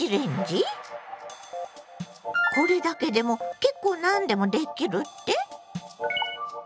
これだけでも結構何でもできるって？